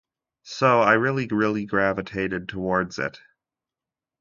So I really, really gravitated toward it.